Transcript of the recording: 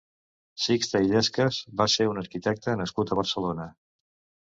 Sixte Illescas va ser un arquitecte nascut a Barcelona.